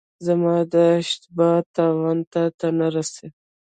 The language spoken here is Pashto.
زما د اشتبا تاوان تاته نه رسي.